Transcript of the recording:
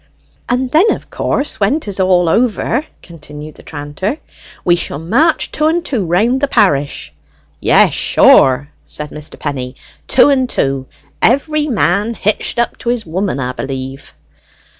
"And then, of course, when 'tis all over," continued the tranter, "we shall march two and two round the parish." "Yes, sure," said Mr. Penny: "two and two: every man hitched up to his woman, 'a b'lieve."